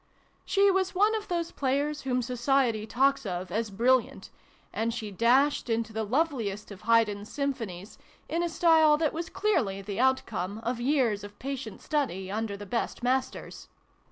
She was one of those players whom Society talks of as ' brilliant,' and she dashed into the loveliest of Haydn's Symphonies in a style that was clearly the outcome of years of patient 156 SYLVIE AND BRUNO CONCLUDED. study under the best masters.